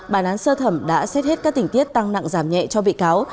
bản án sơ thẩm đã xét hết các tình tiết tăng nặng giảm nhẹ cho bị cáo